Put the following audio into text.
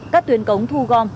các tuyến cống thu gom